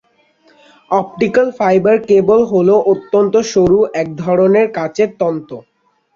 Optical fibre cable হলো অত্যন্ত সরু এক ধরনের কাচের তন্তু।